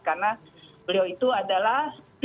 karena beliau itu adalah